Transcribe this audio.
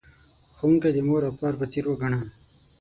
ښوونکی د مور او پلار په څیر وگڼه.